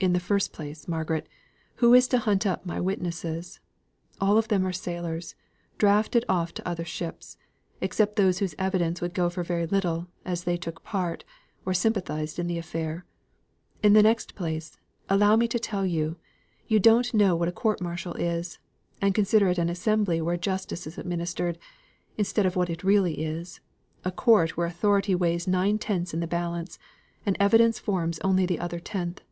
"In the first place, Margaret, who is to hunt up my witnesses? All of them are sailors, drafted off to other ships, except those whose evidence would go for very little, as they took part or sympathised in the affair. In the next place allow me to tell you, you don't know what a court martial is, and consider it as an assembly where justice is administered, instead of what it really is a court where authority weighs nine tenths in the balance, and evidence forms only the other tenth.